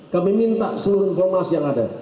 kami minta seluruh